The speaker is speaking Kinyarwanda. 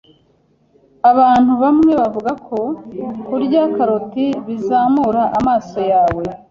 Abantu bamwe bavuga ko kurya karoti bizamura amaso yawe